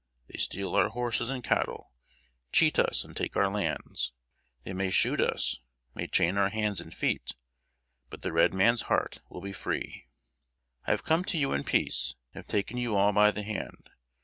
They steal our horses and cattle, cheat us, and take our lands. They may shoot us may chain our hands and feet; but the red man's heart will be free. I have come to you in peace, and have taken you all by the hand.